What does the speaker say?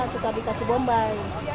suka dikasih bombay